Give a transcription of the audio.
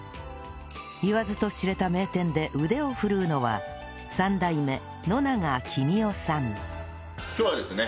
言わずと知れた名店で腕を振るうのは今日はですね